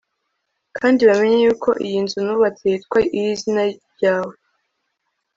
kandi bamenye yuko iyi nzu nubatse yitwa iy'izina ryawe